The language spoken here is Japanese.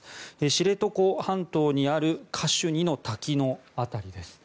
知床半島にあるカシュニの滝の辺りです。